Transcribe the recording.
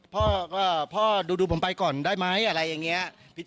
เพราะดูผมไปก่อนได้มั้ยอะไรอย่างเงี้ย